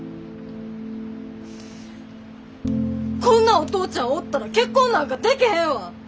こんなお父ちゃんおったら結婚なんかでけへんわ！